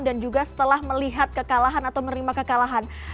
dan juga setelah melihat kekalahan atau menerima kekalahan